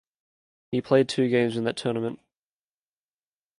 He played two games in that tournament.